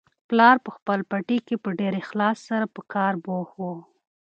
پلار په خپل پټي کې په ډېر اخلاص سره په کار بوخت و.